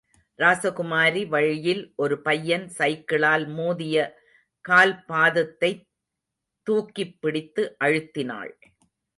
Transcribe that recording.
ராசகுமாரி வழியில் ஒரு பையன் சைக்கிளால் மோதிய கால்பாதத்தைத் தூக்கிப் பிடித்து அழுத்தினாள்.